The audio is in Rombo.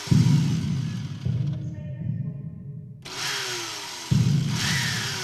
Kangama twenywa shai na kiboro.